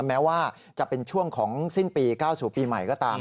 แม้ว่าจะเป็นช่วงของสิ้นปีก้าวสู่ปีใหม่ก็ตาม